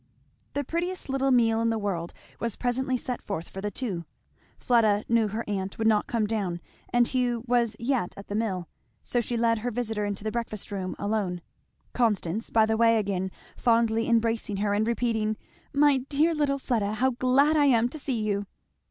The prettiest little meal in the world was presently set forth for the two, Fleda knew her aunt would not come down, and Hugh was yet at the mill; so she led her visitor into the breakfast room alone, Constance by the way again fondly embracing her and repeating, "My dear little Fleda! how glad I am to see you!"